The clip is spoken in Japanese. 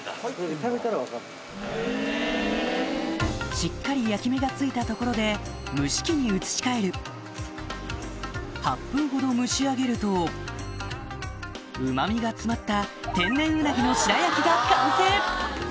しっかり焼き目がついたところで蒸し器に移し替える８分ほど蒸し上げるとうま味が詰まったが完成！